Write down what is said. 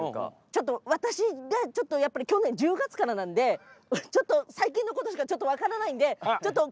ちょっと私ねちょっとやっぱり去年１０月からなんでちょっと最近のことしか分からないんでちょっと詳しい方をちょっと呼べたら。